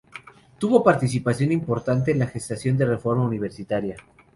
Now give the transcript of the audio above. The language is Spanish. Tuvo participación importante en la gestación de la reforma universitaria.